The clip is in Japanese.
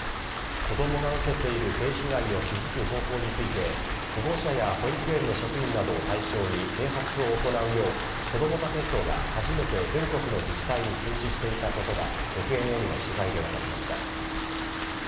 子供が受けている性被害に気付く方法について保護者や保育園の職員などを対象に啓発を行うようこども家庭庁が初めて全国の自治体に通知していたことがＦＮＮの取材で分かりました。